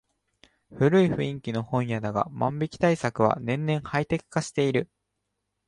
古い雰囲気の本屋だが万引き対策は年々ハイテク化している